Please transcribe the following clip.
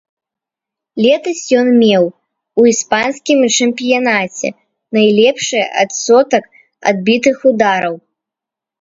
Летась ён меў у іспанскім чэмпіянаце найлепшы адсотак адбітых удараў.